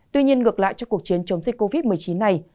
tuy nhiên ngược lại cho cuộc chiến chống dịch covid một mươi chín này